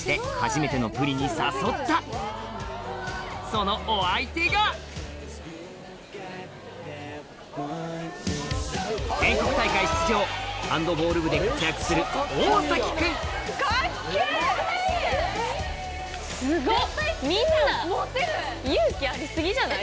そのお相手が全国大会出場ハンドボール部で活躍するすごっ！じゃない？